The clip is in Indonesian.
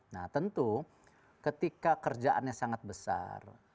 nah tentu ketika kerjaannya sangat besar